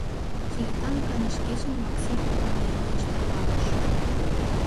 Черетан каныш кечын Максим увольненийыш тарваныш.